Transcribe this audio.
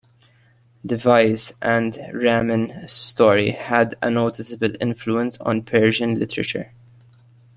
The Vis and Ramin story had a noticeable influence on Persian literature.